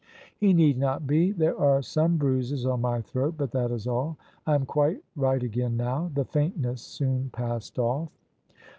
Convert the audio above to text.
" He need not be. There are some bruises on my throat, but that is all. I am quite right again now; the faintness soon passed o£E."